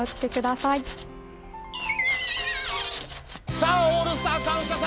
さあ、「オールスター感謝祭」